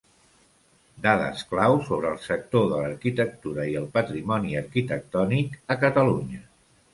Dades clau sobre el sector de l'arquitectura i el patrimoni arquitectònic a Catalunya.